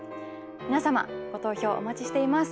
皆様ご投票お待ちしています。